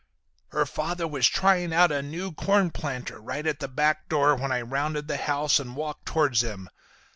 "Her father was trying out a new corn planter right at the back door when I rounded the house and walked towards him.